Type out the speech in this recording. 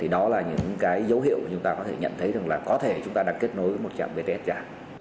đó là những dấu hiệu chúng ta có thể nhận thấy rằng là có thể chúng ta đang kết nối với một trạm bts giả